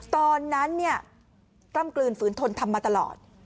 ตอนนั้นเนี่ยกล้ำกลืนฝืนทนทำมาตลอด